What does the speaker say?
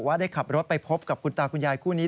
ได้ขับรถไปพบกับคุณตาคุณยายคู่นี้